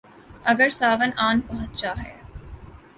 اگر ساون آن پہنچا ہے۔